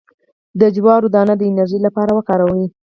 د جوار دانه د انرژي لپاره وکاروئ